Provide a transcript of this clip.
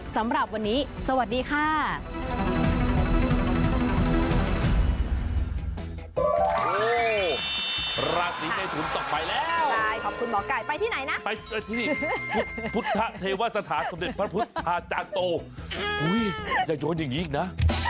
สำหรับวันนี้สวัสดีค่ะ